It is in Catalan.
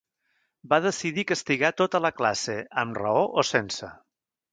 Va decidir castigar tota la classe, amb raó o sense.